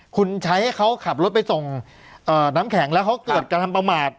คุณใช้ให้เขาขับรถไปส่งน้ำแข็งแล้วเขาเกิดการทำประมาท